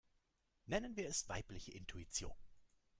Nennen wir es weibliche Intuition.